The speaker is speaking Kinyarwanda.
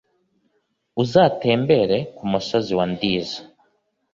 uzatemberere ku musozi wa ndiza